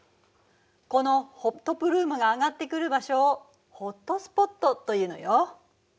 このホットプルームが上がってくる場所をホットスポットというのよ。